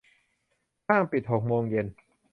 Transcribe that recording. ห้างปิดหกโมงเย็น